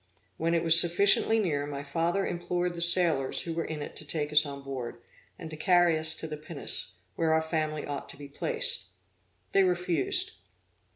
When it was sufficiently near, my father implored the sailors who were in it to take us on board, and to carry us to the pinnace, where our family ought to be placed. They refused.